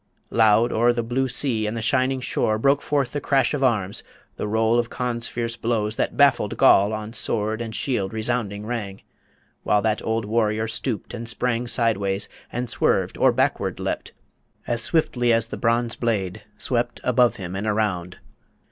Loud o'er The blue sea and the shining shore Broke forth the crash of arms ... The roll Of Conn's fierce blows that baffled Goll On sword and shield resounding rang, While that old warrior stooped and sprang Sideways, and swerved, or backward leapt, As swiftly as the bronze blade swept Above him and around